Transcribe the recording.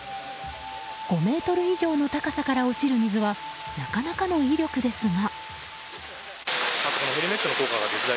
５ｍ以上の高さから落ちる水はなかなかの威力ですが。